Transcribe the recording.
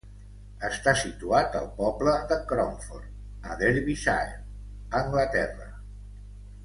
Està situat al poble de Cromford, a Derbyshire, Anglaterra.